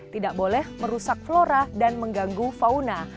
tidak boleh merusak flora dan mengganggu fauna